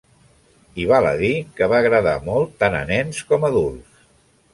I val a dir que va agradar molt tant a nens com adults.